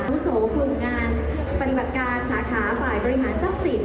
อาวุโสกลุ่มงานปฏิบัติการสาขาฝ่ายบริหารทรัพย์สิน